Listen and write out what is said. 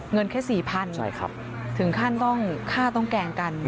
เงินแค่๔๐๐๐ถึงข้าวต้องแกล่งกัน